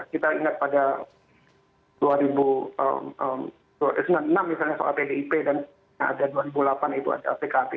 kita ingat pada dua ribu enam misalnya soal pdip dan dua ribu delapan itu ada pkp